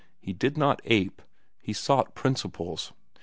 He did not ape. He sought principles.